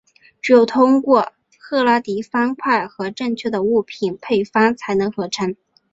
只有通过赫拉迪方块和正确的物品配方才能合成。